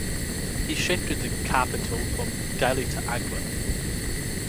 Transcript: He shifted the capital from Delhi to Agra.